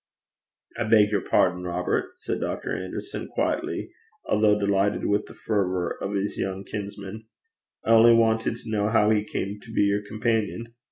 'I beg your pardon, Robert,' said Dr. Anderson quietly, although delighted with the fervour of his young kinsman: 'I only wanted to know how he came to be your companion.'